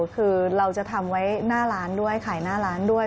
คือเราจะทำไว้หน้าร้านด้วยขายหน้าร้านด้วย